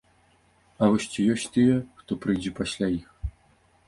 А вось ці ёсць тыя, хто прыйдзе пасля іх?